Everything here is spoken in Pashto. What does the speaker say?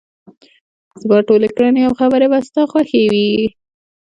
زما ټولې کړنې او خبرې به ستا خوښې وي.